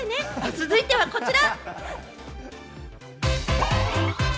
続いてはこちら！